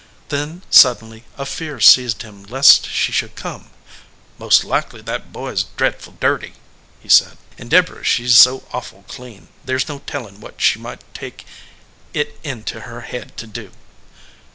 Then suddenly a fear seized him lest she should come. "Most likely that boy s dretful dirty," he said, "and Deborah she s so awful clean, there s no tellin what she might take it into her head to do."